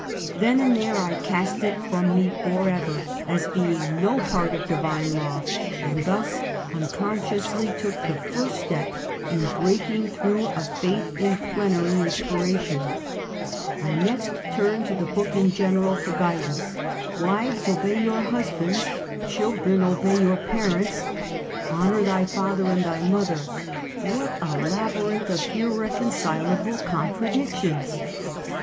Then and there I cast it from me forever, as being no part of divine law, and thus unconsciously took the first step in breaking through a faith in plenary inspiration. 68 Half a Centuey. I next turned to the book in general for guidance: '• "Wives, obey your husbands ;"" Children obey your parents;" "Honor thy father and thy mother." What a labyrintli of irreconcilable contradictions!